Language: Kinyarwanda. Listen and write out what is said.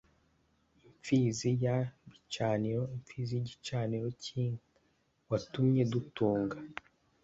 imfizi ya bicaniro: imfizi y’igicaniro k’inka (watumye dutunga)